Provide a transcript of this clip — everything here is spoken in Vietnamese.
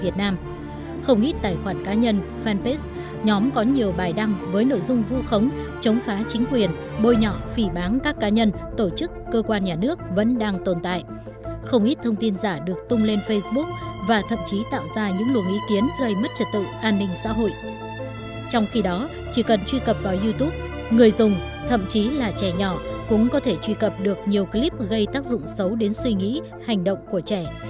trong khi đó chỉ cần truy cập vào youtube người dùng thậm chí là trẻ nhỏ cũng có thể truy cập được nhiều clip gây tác dụng xấu đến suy nghĩ hành động của trẻ